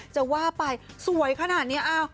จะว่าไปสวยขนาดนี้